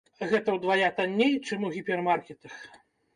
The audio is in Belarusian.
Гэта ўдвая танней, чым у гіпермаркетах.